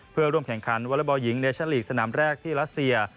เพื่อร่วมแข่งขันวอเล็กบอลหญิงเนชั่นลีกสนามแรกที่รัสเซีย